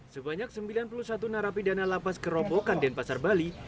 sebanyak sembilan puluh satu narapi dana lapas kerobokan dan pasar bali